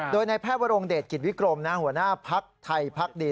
โดยในแพทย์วรงเดชกิจวิกรมหัวหน้าพักไทยพักดี